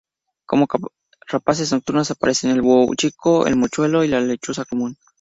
Como rapaces nocturnas aparecen el búho chico, el mochuelo y la lechuza común.